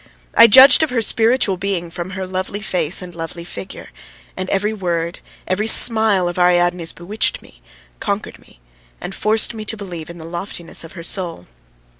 I judged of her spiritual being from her lovely face and lovely figure, and every word, every smile of Ariadne's bewitched me, conquered me and forced me to believe in the loftiness of her soul.